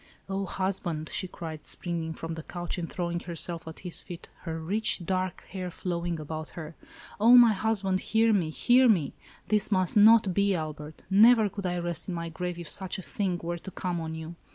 " O husband !" she cried, springing from the couch and throwing herself at his feet, her rich, dark hair flowing about her, "O my husband, hear me, hear me ! This must not be, Albert. Never could I rest in my grave, if such a thing were to come on you.